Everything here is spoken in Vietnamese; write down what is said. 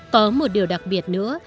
có một điều đặc biệt nữa